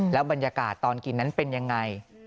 บรรยากาศตอนกินนั้นเป็นยังไง